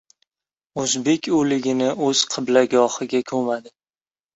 O‘zbak o‘ligini o‘z qiblagohiga ko‘madi.